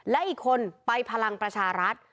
และอีกคนไปพลังประชารัฐ